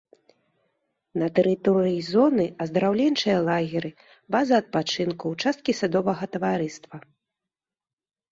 На тэрыторыі зоны аздараўленчыя лагеры, база адпачынку, участкі садовага таварыства.